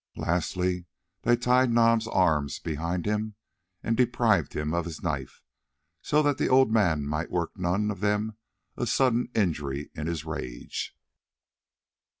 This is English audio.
Lastly, they tied Nam's arms behind him and deprived him of his knife, so that the old man might work none of them a sudden injury in his rage.